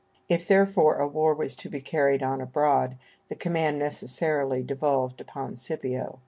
If, therefore, a war was to be carried on abroad, the command necessarily devolved upon Scipio.